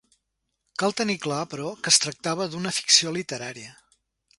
Cal tenir clar, però, que es tractava d’una ficció literària.